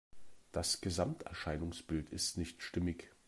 Das Gesamterscheinungsbild ist nicht stimmig.